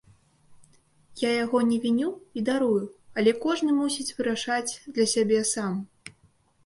Я яго не віню і дарую, але кожны мусіць вырашаць для сябе сам.